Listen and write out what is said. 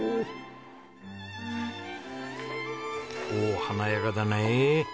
おお華やかだねえ。